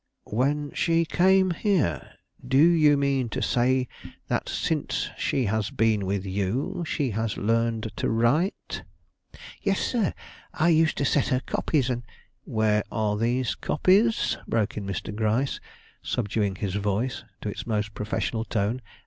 "When she came here! Do you mean to say that since she has been with you she has learned to write?" "Yes, sir; I used to set her copies and " "Where are these copies?" broke in Mr. Gryce, subduing his voice to its most professional tone.